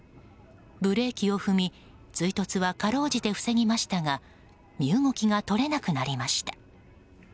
ブレーキを踏み追突はかろうじて防ぎましたが身動きが取れなくなりました。